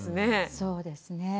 そうですね。